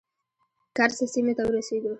کرز سیمې ته ورسېدو.